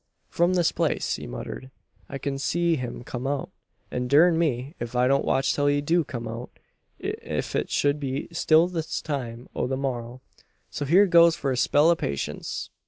"From this place," he muttered, "I kin see him kum out; an durn me, ef I don't watch till he do kum out ef it shed be till this time o' the morrow. So hyur goes for a spell o' patience."